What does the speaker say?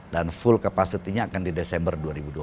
dan full capacity nya akan di desember dua ribu dua puluh empat